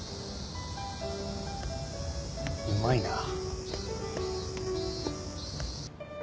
・うまいなあ。